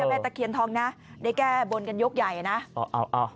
จะแปลตะเคียนทองน่ะได้แก้บนกันยกใหญ่น่ะเอาเอาเอา